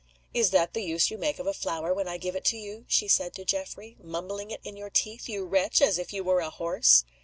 "Is that the use you make of a flower when I give it to you?" she said to Geoffrey. "Mumbling it in your teeth, you wretch, as if you were a horse!"